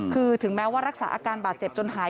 คือถึงแม้ว่ารักษาอาการบาดเจ็บจนหาย